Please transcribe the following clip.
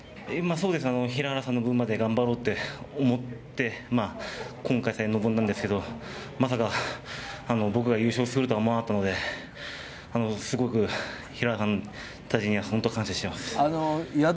平原さんの分まで頑張ろうって思って今大会に臨んだんですけど、まさか僕が優勝するとは思わなかったので、すごく平原さんたちに感謝してます。